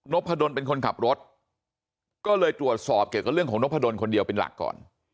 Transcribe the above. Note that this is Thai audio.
พะดนเป็นคนขับรถก็เลยตรวจสอบเกี่ยวกับเรื่องของนกพะดนคนเดียวเป็นหลักก่อน